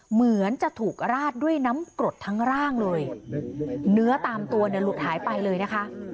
เหมือนจะถูกราดด้วยน้ำกรดทั้งร่างเลยเนื้อตามตัวเนี่ยหลุดหายไปเลยนะคะ